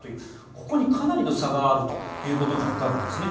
ここにかなりの差があるということが分かるんですね。